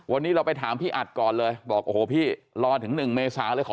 วันนี้เราไปถามพี่อัดก่อนเลยบอกโอ้โหพี่รอถึง๑เมษาเลยขอ